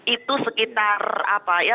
itu sekitar apa ya